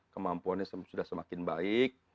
kemampuannya sudah semakin baik